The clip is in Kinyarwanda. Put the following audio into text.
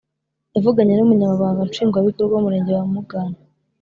Yavuganye n umunyamabanga nshingwabikorwa w umurenge wa mugano